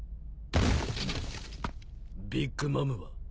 ビッグ・マムは？